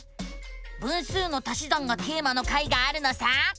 「分数の足し算」がテーマの回があるのさ！